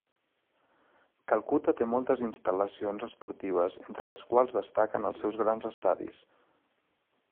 Calcuta té moltes instal·lacions esportives, entre les quals destaquen els seus grans estadis.